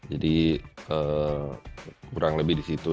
jadi kurang lebih di situ